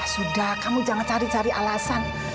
sudah kamu jangan cari cari alasan